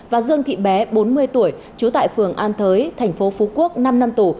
và dương thị bé bốn mươi tuổi chú tại phường an thới tp phú quốc năm năm tù